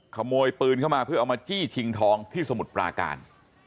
ขโมยปืนเข้ามาเพื่อเอามาจี้ชิงทองที่สมุทรปราการ